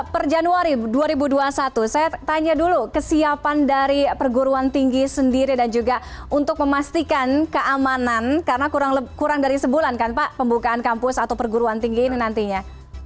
per januari dua ribu dua puluh satu saya tanya dulu kesiapan dari perguruan tinggi sendiri dan juga untuk memastikan keamanan karena kurang dari sebulan kan pak pembukaan kampus atau perguruan tinggi ini nantinya